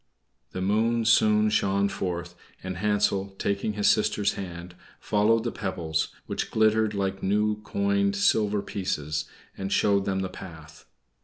The moon soon shone forth, and Hansel, taking his sister's hand, followed the pebbles, which glittered like new coined silver pieces, and showed them the path.